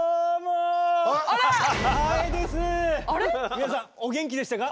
皆さんお元気でしたか？